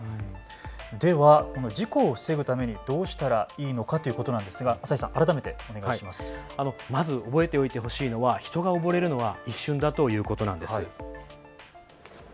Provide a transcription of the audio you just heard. では事故を防ぐためにどうしたらいいのかということなんですがまず覚えてほしいのは人が溺れるのは一瞬だということです。